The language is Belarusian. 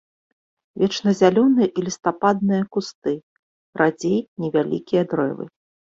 Вечназялёныя і лістападныя кусты, радзей невялікія дрэвы.